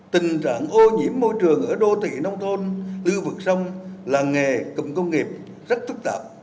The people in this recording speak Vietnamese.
tình trạng ô nhiễm môi trường ở đô thị nông thôn lưu vực sông làng nghề cụm công nghiệp rất phức tạp